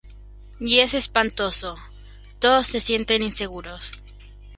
Y es espantoso —todos se sienten inseguros.